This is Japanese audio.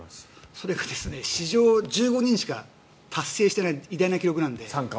それが史上１５人しか達成してない偉大な記録なので。